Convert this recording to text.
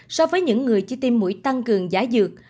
so với những người chỉ tiêm mũi tăng cường giá dược